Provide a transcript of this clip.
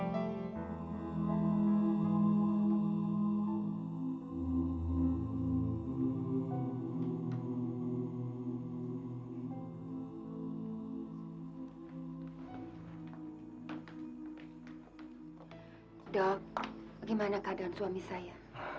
dok bagaimana keadaan suami saya